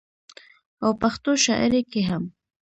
او پښتو شاعرۍ کې هم